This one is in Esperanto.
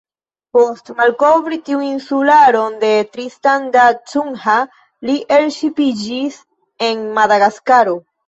Post malkovri tiun insularon de Tristan da Cunha, li elŝipiĝis en Madagaskaro.